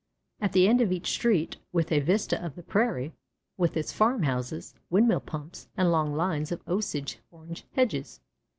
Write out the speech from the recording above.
At the end of each street was a vista of the prairie, with its farm houses, windmill pumps, and long lines of Osage orange hedges.